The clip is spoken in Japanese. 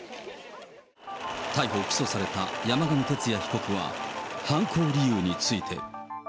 逮捕・起訴された山上徹也被告は、犯行理由について。